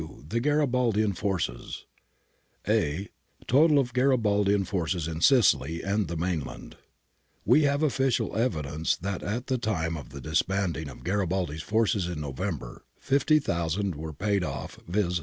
The Garibaldian Forces {a) Total of Garibaldian Forces in Sicily and the Mainland We have official evidence that at the time of the disbanding of Garibaldi's forces in November, 50,000 were paid off, viz.